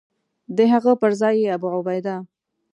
د هغه پر ځای یې ابوعبیده.